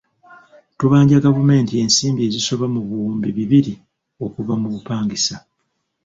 Ttubanja gavumenti ensimbi ezisoba mu buwumbi bibiri okuva mu bupangisa.